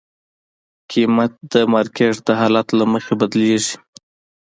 قیمت د مارکیټ د حالت له مخې بدلېږي.